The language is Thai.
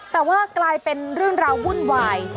แต่ว่ากลายเป็นเรื่องราววุ่นวาย